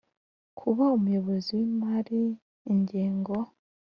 Kuba umuyobozi w imari ingengo